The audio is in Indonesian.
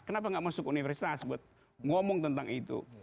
kenapa nggak masuk universitas buat ngomong tentang itu